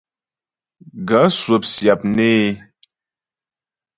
Gaə̂ swɔp syap nê é.